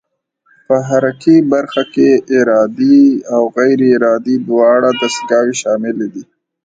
په حرکي برخه کې ارادي او غیر ارادي دواړه دستګاوې شاملې دي.